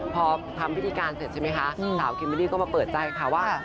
พอทำพิธีการเสร็จใช่ไหมคะสาวคิมเบอร์รี่ก็มาเปิดใจค่ะว่า